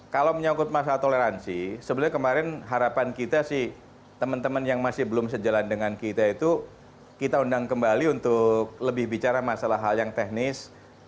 kalau menyangkut masalah toleransi sebenarnya kemarin harapan kita sih teman teman yang masih belum sejalan dengan kita itu kita undang kembali untuk lebih bicara masalah hal yang teknis